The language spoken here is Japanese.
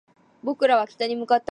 僕らは北に向けて歩いていった